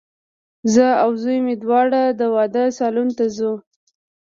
زه او زوی مي دواړه د واده سالون ته ځو